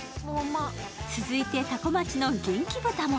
続いて多古町の元気豚も。